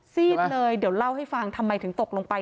ซีดเลยเดี๋ยวเล่าให้ฟังทำไมถึงตกลงไป